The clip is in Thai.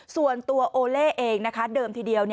ส่วนตัวโอเล่เองนะคะเดิมทีเดียว